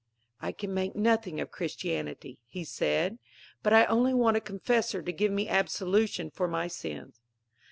"I can make nothing of Christianity," he said, "but I only want a confessor to give me absolution for my sins."